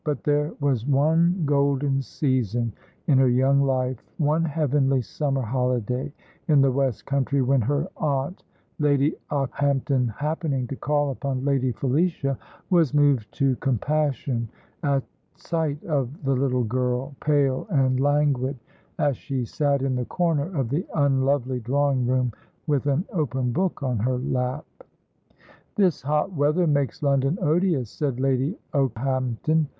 But there was one golden season in her young life, one heavenly summer holiday in the West Country, when her aunt, Lady Okehampton, happening to call upon Lady Felicia, was moved to compassion at sight of the little girl, pale and languid, as she sat in the corner of the unlovely drawing room, with an open book on her lap. "This hot weather makes London odious," said Lady Okehampton.